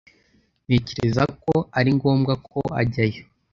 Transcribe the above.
Ntekereza ko ari ngombwa ko ajyayo.